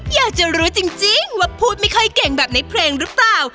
อยากจะรู้จริงว่าพูดไม่ค่อยเก่งแบบในเพลงหรือเปล่า